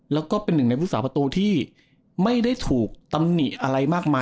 แล้วก็เป็นหนึ่งในผู้สาประตูที่ไม่ได้ถูกตำหนิอะไรมากมาย